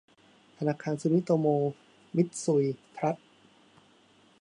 ธนาคารซูมิโตโม มิตซุย ทรัสต์